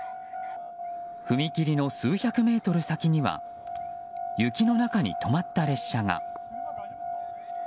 踏切の数百メートル先には雪の中に止まった列車が。